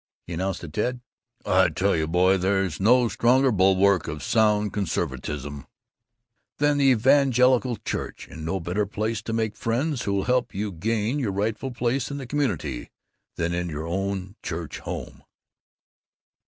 He announced to Ted, "I tell you, boy, there's no stronger bulwark of sound conservatism than the evangelical church, and no better place to make friends who'll help you to gain your rightful place in the community than in your own church home!"